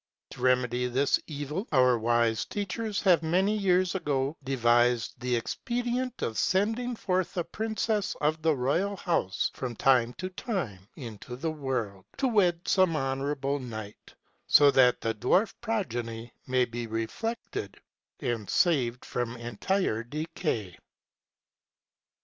To remedy this evil, our wise teachers have many years ago devised the expedient of sending forth a princess of the royal house from time to time into the world, to wed some honorable knight, that so the dwarf progeny may be re fected, and saved from entire decay.'